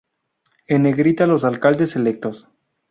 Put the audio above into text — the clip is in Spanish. En negrita los alcaldes electos.